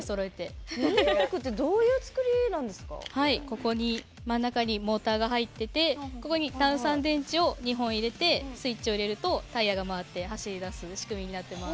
ここに真ん中にモーターが入っててここに単三電池を２本入れてスイッチを入れるとタイヤが回って走り出す仕組みになってます。